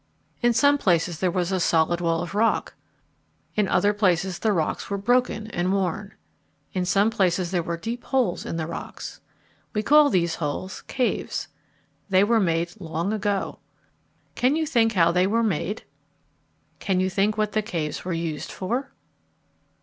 In some places there was a solid wall of rock. In others the rocks were broken and worn. In some places there were deep holes in the rocks. We call these holes caves. They were made long ago. Can you think how they were made? Can you think what the caves were used for?